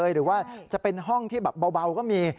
หรือว่าจะเป็นห้องที่แบบเบาก็มี